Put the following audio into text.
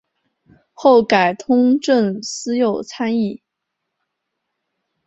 后改通政司右参议。